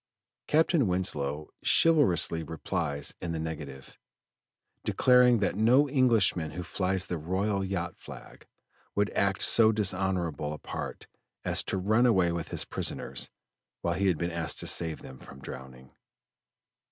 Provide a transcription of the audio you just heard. Captain Winslow chivalrously replies in the negative, declaring that no Englishman who flies the royal yacht flag, would act so dishonorable a part as to run away with his prisoners when he had been asked to save them from drowning.